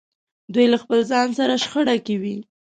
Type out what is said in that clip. دوی له خپل ځان سره شخړه کې وي.